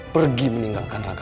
pergi meninggalkan ragaku